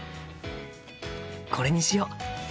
これにしよう！